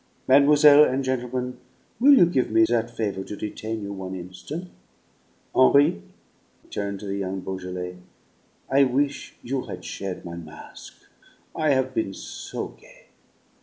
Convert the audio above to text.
Mademoiselle and gentlemen, will you give me that favour to detain you one instan'?" "Henri," he turned to the young Beaujolais, "I wish you had shared my masque I have been so gay!"